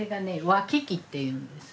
わき器っていうんです。